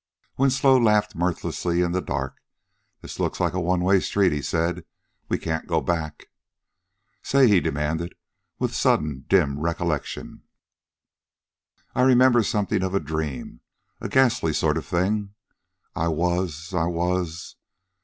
Winslow laughed mirthlessly in the dark. "This looks like a one way street," he said. "We can't go back. "Say," he demanded, with sudden, dim recollection. "I remember something of a dream a ghastly sort of thing. I was ... I was